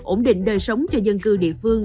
ổn định đời sống cho dân cư địa phương